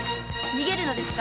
逃げるのですか？